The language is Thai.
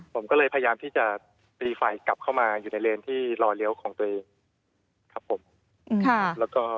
ผมก็เลยพยายามที่จะตีไฟกลับเข้ามาอยู่ในเลนที่รอเลี้ยวของตัวเองครับผม